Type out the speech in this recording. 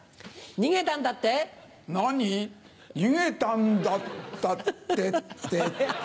逃げたんだったってってって。